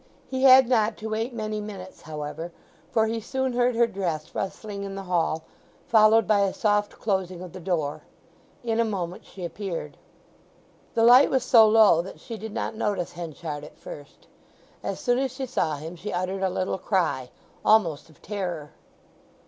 He had not to wait many minutes, however, for he soon heard her dress rustling in the hall, followed by a soft closing of the door. In a moment she appeared. The light was so low that she did not notice Henchard at first. As soon as she saw him she uttered a little cry, almost of terror.